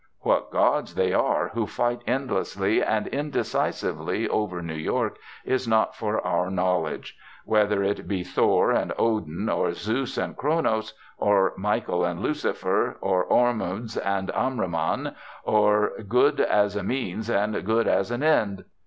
What gods they are who fight endlessly and indecisively over New York is not for our knowledge; whether it be Thor and Odin, or Zeus and Cronos, or Michael and Lucifer, or Ormuzd and Ahriman, or Good as a means and Good as an end.